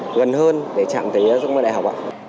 gần hơn để chạm tới giống như đại học